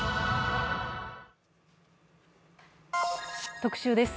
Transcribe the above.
特集です。